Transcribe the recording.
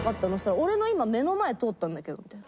「俺の今目の前通ったんだけど」みたいな。